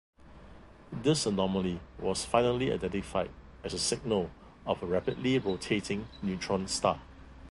This anomaly was finally identified as the signal of a rapidly rotating neutron star.